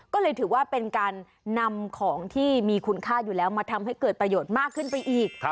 ก็เลยถือว่าเป็นการนำของที่มีคุณค่าอยู่แล้วมาทำให้เกิดประโยชน์มากขึ้นไปอีก